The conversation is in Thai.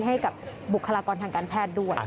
ให้กับบุคลากรทางการแพทย์ด้วย